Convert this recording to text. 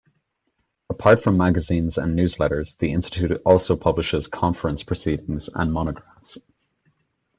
Apart from magazines and newsletters, the institute also publishes conference proceedings and monographs.